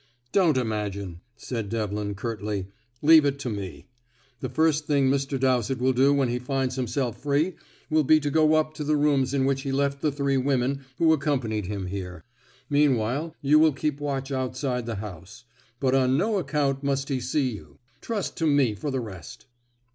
"Don't imagine," said Devlin curtly. "Leave all to me. The first thing Mr. Dowsett will do when he finds himself free will be to go up to the rooms in which he left the three women who accompanied him here. Meanwhile, you will keep watch outside the house; but on no account must he see you. Trust to me for the rest."